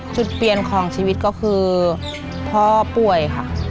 จุดเปลี่ยนของชีวิตก็คือพ่อป่วยค่ะ